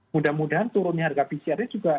mudah mudahan turunnya harga pcrnya juga